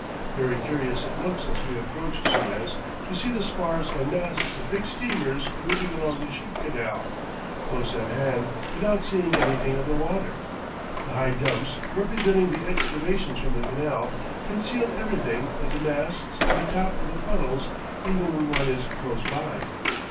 Very curious it looks as we approach Suez to see the spars and masts of big steamers moving along the ship canal, close at hand, without seeing anything of the water. The high dumps, representing the excavations from the canal, conceal everything but the masts and the top of the funnels even when one is close by.